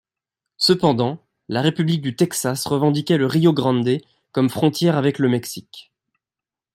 Cependant, la République du Texas revendiquait le Río Grande comme frontière avec le Mexique.